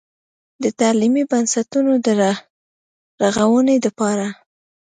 د تعليمي بنسټونو د رغونې دپاره